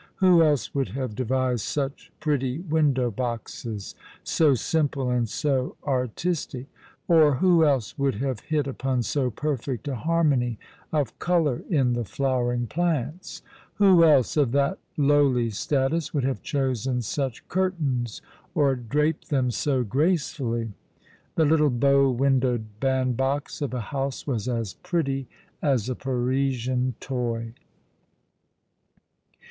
Who else would have devised such pretty window boxes, so simple and so artistic ; or who else would have hit upon so perfect a harmony of colour in the flowering plants ? ^\'ho else, of that lowly status, would have chosen such curtains or draped them so gracefully? The little bow windowed band box of a house was as pretty as a Parisian toy.